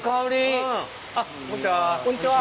あっこんにちは。